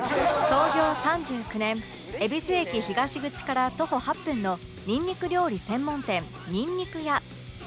創業３９年恵比寿駅東口から徒歩８分のにんにく料理専門店にんにくや